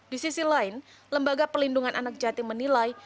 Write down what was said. di sisi lain lembaga pelindungan anak jatim menilai